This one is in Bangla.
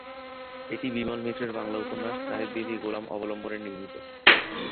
এটি বিমল মিত্রের বাংলা উপন্যাস "সাহেব বিবি গোলাম" অবলম্বনে নির্মিত।